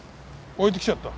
置いてきちゃった。